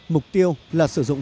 mục tiêu là sử dụng